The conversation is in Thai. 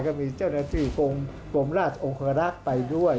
ก็มีเจ้าหน้าที่กรมราชองคารักษ์ไปด้วย